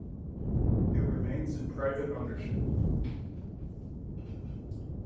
It remains in private ownership.